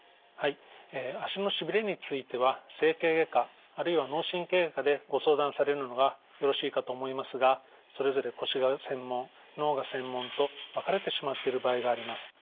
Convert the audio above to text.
足のしびれについては整形外科あるいは脳神経外科でご相談されるのがよろしいかと思いますがそれぞれ腰が専門脳が専門と分かれてしまっている場合があります。